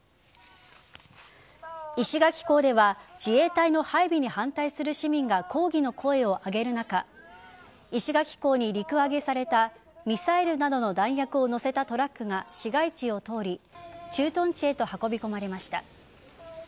石垣港では自衛隊の配備に反対する市民が抗議の声を上げる中石垣港に陸揚げされたミサイルなどの弾薬を載せたトラックが市街地を通り駐屯地へと運び込まれました。